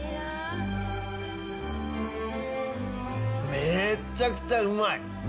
めちゃくちゃうまい！